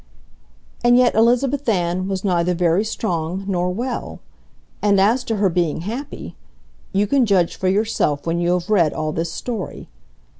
And yet Elizabeth Ann was neither very strong nor well. And as to her being happy, you can judge for yourself when you have read all this story.